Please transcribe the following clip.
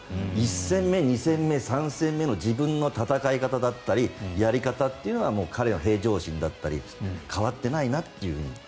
１戦目、２戦目、３戦目の自分の戦い方だったりやり方っていうのは彼の平常心だったり変わってないなというふうに。